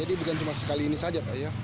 jadi bukan cuma sekali ini saja